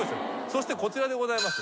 そしてこちらでございます。